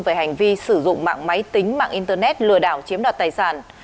về hành vi sử dụng mạng máy tính mạng internet lừa đảo chiếm đoạt tài sản